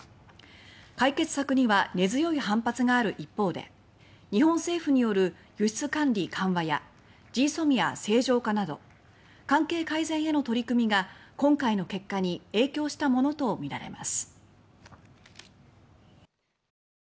解決策には根強い反発がある一方で日本政府による輸出管理緩和やＧＳＯＭＩＡ正常化など関係改善への取り組みが今回の結果に影響したものとみられます。